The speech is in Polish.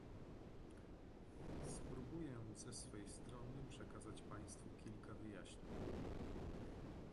Spróbuję ze swej strony przekazać państwu kilka wyjaśnień